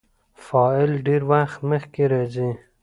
فاعل ډېرى وخت مخکي راځي.